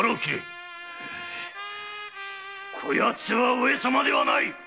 こやつは上様ではない！